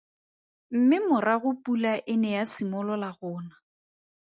Mme morago pula e ne ya simolola go na.